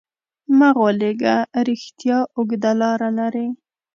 مه غولېږه، رښتیا اوږده لاره لري.